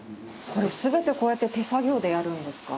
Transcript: これ全てこうやって手作業でやるんですか？